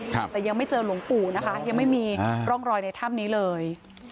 แต่ยังไม่เจอหลวงปู่นะคะยังไม่มีร่องรอยในถ้ำนี้เลย